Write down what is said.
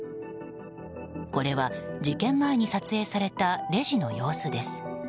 これは事件前に撮影されたレジの様子です。